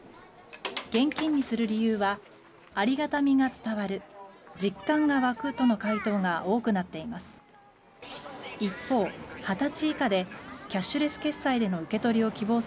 現金にする理由はありがたみが伝わる実感が湧くとの回答が多くなっています。